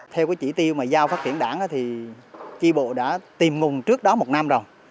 theo cái chỉ tiêu mà giao phát triển đảng thì tri bộ đã tìm nguồn trước đó một năm rồi